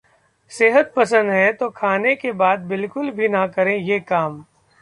सेहत पसंद है तो खाने के बाद बिल्कुल भी ना करें ये काम